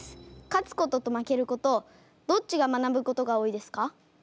勝つことと負けることどっちが学ぶことが多いですか？